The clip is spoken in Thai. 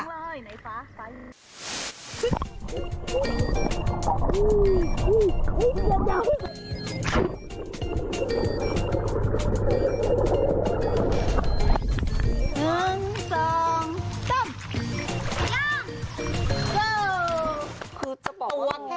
ไอ้ฟ้าไอ้ฟ้า